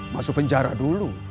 masuk penjara dulu